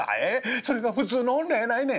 「それが普通の女やないねん」。